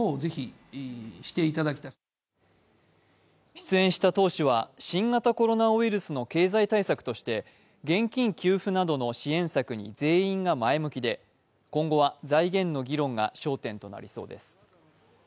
出演した党首は新型コロナウイルスの経済対策として現金給付などの支援策に全員が前向きで、今後は財源の議論が焦点となりそうです。